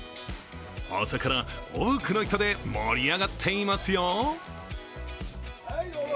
朝から多くの人で盛り上がっていますよ。